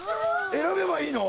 選べばいいの？